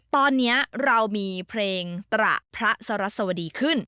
ตอนนี้เรามีเพลงตระพระสรัสวดีขึ้น